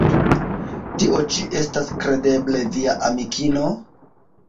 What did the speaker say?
Tio ĉi estas kredeble via amikino?